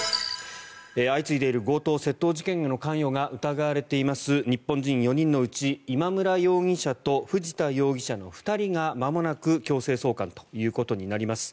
相次いでいる強盗・窃盗事件への関与が疑われています日本人４人のうち今村容疑者と藤田容疑者の２人がまもなく強制送還ということになります。